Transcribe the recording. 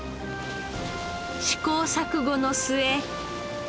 試行錯誤の末。